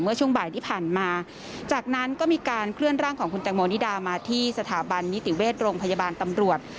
ช่วงบ่ายที่ผ่านมาจากนั้นก็มีการเคลื่อนร่างของคุณแตงโมนิดามาที่สถาบันนิติเวชโรงพยาบาลตำรวจ